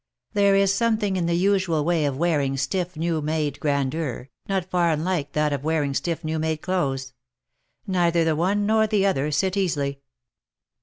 There is something in the usual way of wearing stiff new made grandeur, not far unlike that of wearing stiff new made clothes. Neither the one nor the other sit easily.